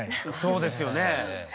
そうですよね。